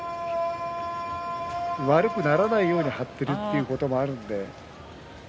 悪くならないように貼っているということもあるので。